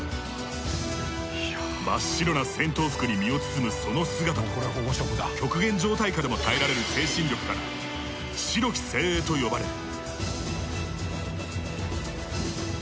真っ白な戦闘服に身を包むその姿と極限状態下でも耐えられる精神力から白き精鋭と呼ばれる。